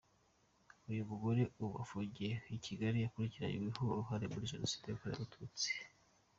Uyu mugore ubu ufungiye i Kigali akurikiranyweho uruhare muri Jenoside yakorewe Abatutsi.